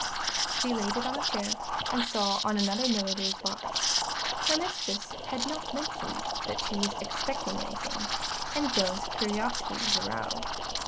She laid it on a chair, and saw on another a milliner's box. Her mistress had not mentioned that she was expecting anything, and Joan's curiosity was aroused.